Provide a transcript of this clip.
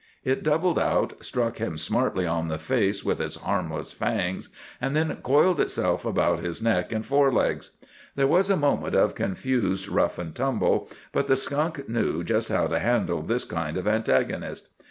It doubled out, struck him smartly in the face with its harmless fangs, and then coiled itself about his neck and forelegs. There was a moment of confused rough and tumble, but the skunk knew just how to handle this kind of antagonist.